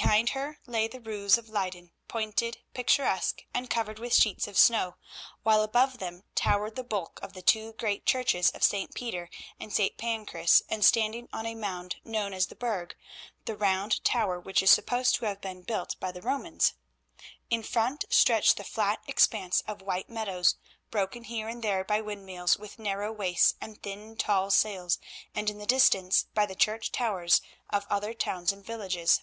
Behind her lay the roofs of Leyden, pointed, picturesque, and covered with sheets of snow, while above them towered the bulk of the two great churches of St. Peter and St. Pancras, and standing on a mound known as the Burg, the round tower which is supposed to have been built by the Romans. In front stretched the flat expanse of white meadows, broken here and there by windmills with narrow waists and thin tall sails, and in the distance, by the church towers of other towns and villages.